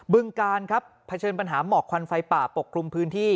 ึงการครับเผชิญปัญหาหมอกควันไฟป่าปกคลุมพื้นที่